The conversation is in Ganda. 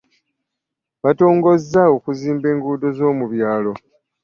Batongozza okuzimba enguudo zomu byalo.